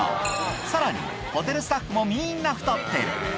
さらに、ホテルスタッフもみーんな太っている。